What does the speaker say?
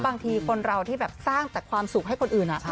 บางทีคนเราที่แบบสร้างแต่ความสุขให้คนอื่น